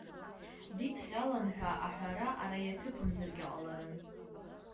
Дидҟьалан ҳәа аҳәара ара иаҭыԥымзаргьы ҟаларын.